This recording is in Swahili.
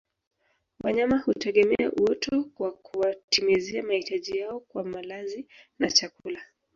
Wanyama hutegemea uoto kwa kuwatimizia mahitaji yao kwa malazi na chakula